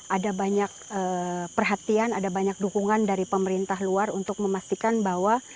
ada banyak perhatian ada banyak dukungan dari pemerintah luar untuk memastikan bahwa